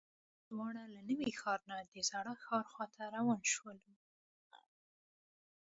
موږ دواړه له نوي ښار نه د زاړه ښار خواته روان شولو.